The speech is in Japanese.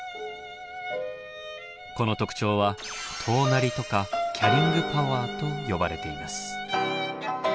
この特徴は「遠鳴り」とか「キャリング・パワー」と呼ばれています。